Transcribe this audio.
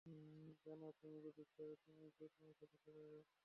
জানো তুমি যদি চাও তুমি যেকোন ছেলেকে পাবে।